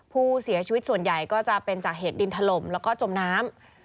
ผู้เสียชีวิตส่วนใหญ่ก็จะเป็นจากเหตุดินถล่มแล้วก็จมน้ำ